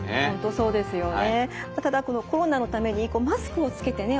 そうですよね。